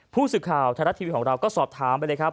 ผู้สื่อข่าวไทยรัฐทีวีของเราก็สอบถามไปเลยครับ